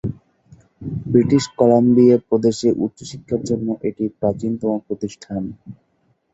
British Columbia প্রদেশে উচ্চশিক্ষার জন্য এটি প্রাচীনতম প্রতিষ্ঠান।